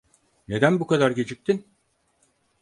Neden bu kadar geciktin?